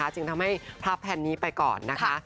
จึงทำให้พับแผ่นนี้ไปก่อนนะคะ